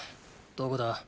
どこだ？